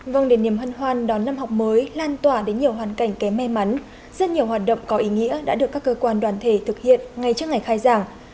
vâng để niềm hân hoan đón năm học mới lan tỏa đến nhiều hoàn cảnh kém may mắn rất nhiều hoạt động có ý nghĩa đã được các cơ quan đoàn thể thực hiện ngay trước ngày khai giảng